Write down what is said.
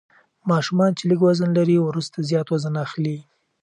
ماشومان چې لږ وزن لري وروسته زیات وزن اخلي.